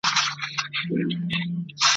د ھرموجود، د ښکلانوم، نشان مې ولټوو